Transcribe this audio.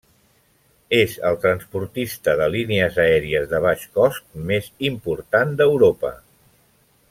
És el transportista de línies aèries de baix cost més important d'Europa.